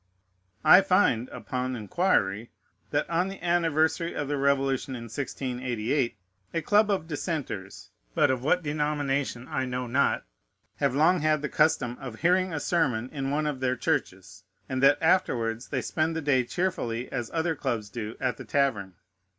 I find, upon inquiry, that, on the anniversary of the Revolution in 1688, a club of Dissenters, but of what denomination I know not, have long had the custom of hearing a sermon in one of their churches, and that afterwards they spent the day cheerfully, as other clubs do, at the tavern.